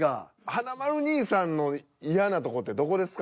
華丸兄さんの嫌なとこってどこですか？